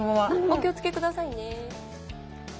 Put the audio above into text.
お気を付けくださいね。